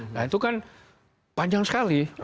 nah itu kan panjang sekali